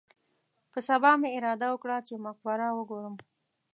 په سبا مې اراده وکړه چې مقبره وګورم.